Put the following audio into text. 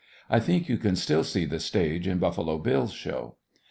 I think you can still see the stage in Buffalo Bill's show.